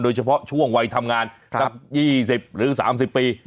โดยเฉพาะช่วงวัยทำงานสัก๒๐หรือ๓๐ปี